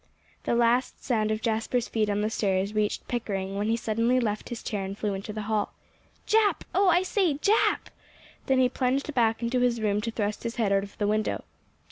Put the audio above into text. The last sound of Jasper's feet on the stairs reached Pickering, when he suddenly left his chair and flew into the hall. "Jap oh, I say, Jap!" Then he plunged back into his room to thrust his head out of the window.